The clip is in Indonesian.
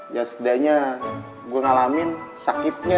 ya setidaknya gue ngalamin sakitnya